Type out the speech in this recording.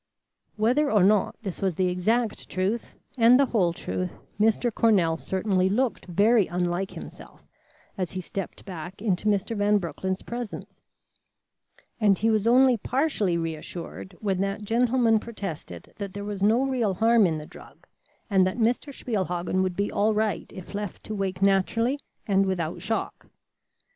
Whether or not this was the exact truth and the whole truth, Mr. Cornell certainly looked very unlike himself as he stepped back into Mr. Van Broecklyn's presence; and he was only partially reassured when that gentleman protested that there was no real harm in the drug, and that Mr. Spielhagen would be all right if left to wake naturally and without shock.